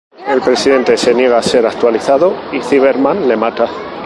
El presidente se niega a ser actualizado y un Cyberman le mata.